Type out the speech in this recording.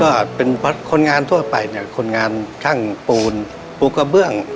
ก็เป็นคนงานทั่วไปเนี่ยคนงานช่างปูนปูกระเบื้อง